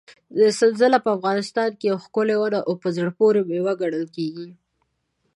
سنځله په افغانستان کې یوه ښکلې ونه او په زړه پورې مېوه ګڼل کېږي.